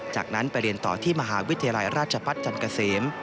จากนั้นไปเรียนต่อที่มหาวิทยาลัยราชพัฒน์จันทร์เกษม